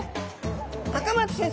赤松先生